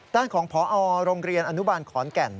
ด้านของพอโรงเรียนอนุบาลขอนแก่น